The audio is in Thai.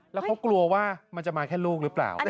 แล้วเขากลัวว่ามันจะมาแค่ลูกหรือเปล่า